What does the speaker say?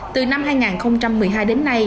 từ năm hai nghìn một mươi hai đến nay